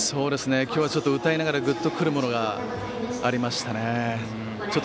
歌いながらぐっと来るものがありました。